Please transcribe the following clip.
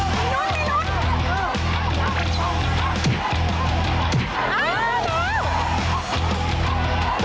ล่วงอันนี้เอาใหม่